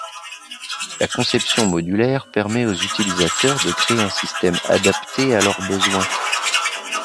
La conception modulaire permet aux utilisateurs de créer un système adapté à leurs besoins.